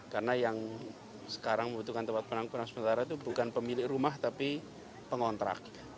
karena yang sekarang membutuhkan tempat penampungan sementara itu bukan pemilik rumah tapi pengontrak